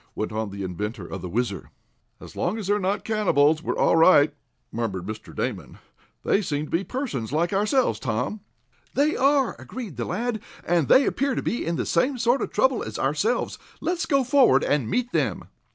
went on the inventor of the WHIZZER. "As long as they're not cannibals, we're all right," murmured Mr. Damon. "They seem to be persons like ourselves, Tom." "They are," agreed the lad, "and they appear to be in the same sort of trouble as ourselves. Let's go forward, and meet them."